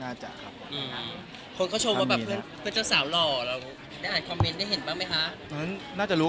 มาตรฐานดีอยู่